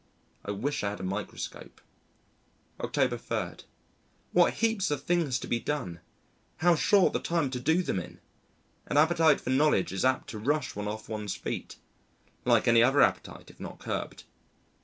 I wish I had a microscope. October 3. What heaps of things to be done! How short the time to do them in! An appetite for knowledge is apt to rush one off one's feet, like any other appetite if not curbed.